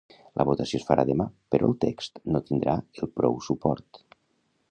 La votació es farà demà, però el text no tindrà el prou suport.